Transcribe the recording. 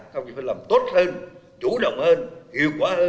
không chỉ phải làm tốt hơn chủ động hơn hiệu quả hơn